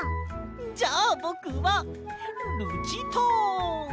じゃあぼくはルチタン！